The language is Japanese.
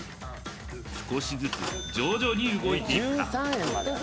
少しずつ徐々に動いていくか？